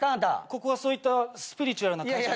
ここはそういったスピリチュアルな会社。